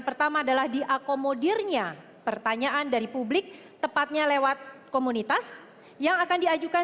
pertama adalah diakomodirnya pertanyaan dari publik tepatnya lewat komunitas yang akan diajukan